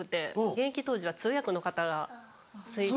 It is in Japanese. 現役当時は通訳の方がついてるので。